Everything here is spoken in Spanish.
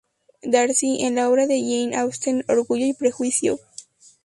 Darcy en la obra de Jane Austen "Orgullo y prejuicio".